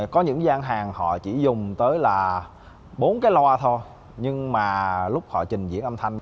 có những gian hàng họ chỉ dùng tới là bốn cái loa thôi nhưng mà lúc họ trình diễn âm thanh